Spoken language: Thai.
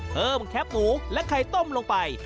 แคปหมูและไข่ต้มลงไป